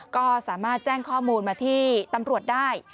ก็สามารถแจ้งข้อมูลมาที่ตำรวจได้